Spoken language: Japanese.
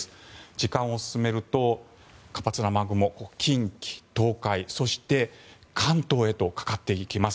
時間を進めると活発な雨雲近畿、東海そして、関東へとかかっていきます。